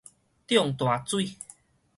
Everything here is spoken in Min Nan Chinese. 漲大水